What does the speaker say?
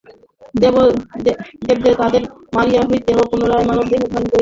দেবতাদেরও মরিতে হইবে এবং পুনরায় মানবদেহ ধারণ করিতে হইবে।